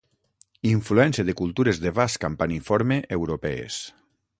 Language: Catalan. Influència de cultures de vas campaniforme europees.